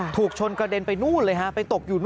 ถูกชนกระเด็นไปนู่นเลยฮะไปตกอยู่